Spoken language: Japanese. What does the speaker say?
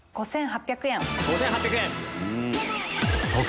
５８００円。